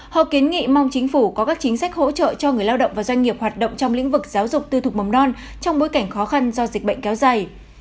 họ kiến nghị mong chính phủ có các chính sách hỗ trợ cho người lao động và doanh nghiệp hoạt động trong lĩnh vực giáo dục tư thuộc mầm non trong bối cảnh khó khăn do dịch bệnh kéo dài